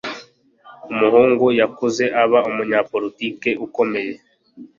Umuhungu yakuze aba umunyapolitiki ukomeye